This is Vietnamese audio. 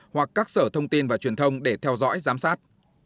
hoặc các sở thông tin và truyền thông để theo dõi giám sát